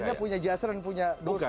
jadi anda punya jasran punya dosa kan